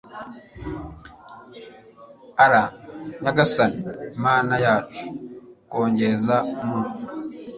r/ nyagasani mana yacu kongeza mu